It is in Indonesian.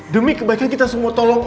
demi kebaikan kita semua tolong